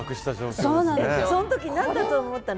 そん時何だと思ったの？